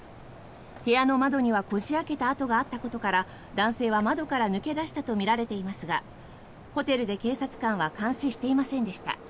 部屋の窓にはこじ開けた跡があったことから男性は窓から抜け出したとみられていますがホテルで警察官は監視していませんでした。